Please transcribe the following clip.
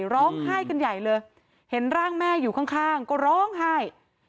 ร้องไห้กันใหญ่เลยเห็นร่างแม่อยู่ข้างก็ร้องไห้